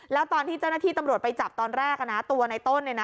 แล้วตอนที่เจ้าหน้าที่ตำรวจไปจับตอนแรกตัวในต้น